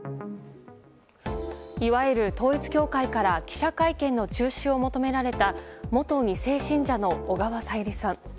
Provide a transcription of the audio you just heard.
いわゆる統一教会から記者会見の中止を求められた元２世信者の小川さゆりさん。